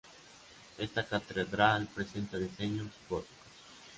Esta catedral presenta diseños góticos.